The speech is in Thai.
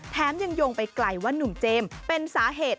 ยังโยงไปไกลว่านุ่มเจมส์เป็นสาเหตุ